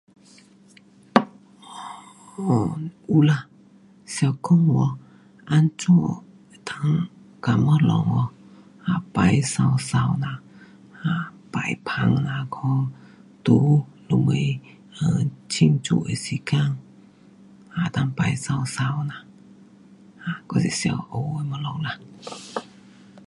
um 有啦，想讲有哦，怎样能够把东西有喔，啊摆美美啦，啊，摆盘这样款，就什么，呃，庆祝的时间，能够摆美美这样，我是想学的东西啦。